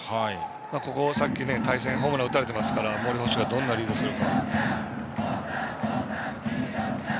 ここ、さっきホームランを打たれてますから森捕手がどんなリードをするか。